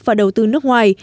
và đầu tư nước ngoài